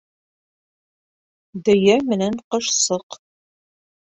ДӨЙӘ МЕНӘН ҠОШСОҠ